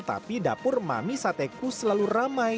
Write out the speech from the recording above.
tapi dapur mami sateku selalu ramai